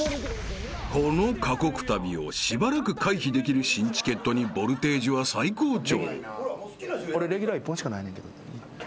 ［この過酷旅をしばらく回避できる新チケットにボルテージは最高潮］